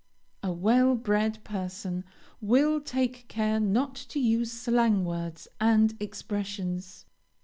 A well bred person will take care not to use slang words and expressions.